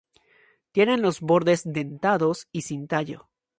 Tienen los bordes dentados y sin tallo.